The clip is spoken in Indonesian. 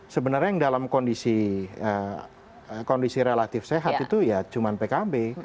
sebenarnya yang dalam kondisi relatif sehat itu ya cuma pkb